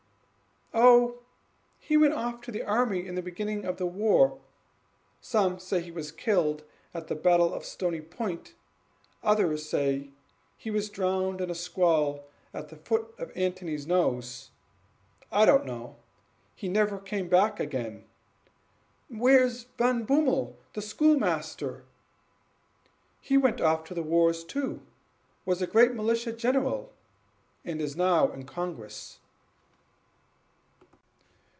"Oh, he went off to the army in the beginning of the war; some say he was killed at the storming of Stony Point others say he was drowned in a squall at the foot of Antony's Nose. I don't know he never came back again." "Where's Van Bummel, the schoolmaster?" "He went off to the wars too, was a great militia general, and is now in Congress."